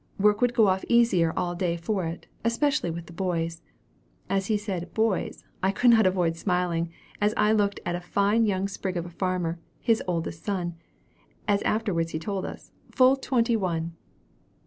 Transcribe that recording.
Work would go off easier all day for it, especially with the boys. As he said 'boys,' I could not avoid smiling as I looked at a fine young sprig of a farmer, his oldest son, as he afterwards told us, full twenty one."